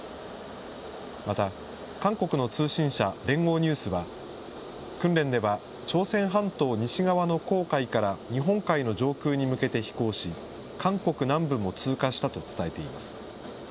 また、韓国の通信社、連合ニュースは、訓練では朝鮮半島西側の黄海から日本海の上空に向けて飛行し、韓国南部も通過したと伝えています。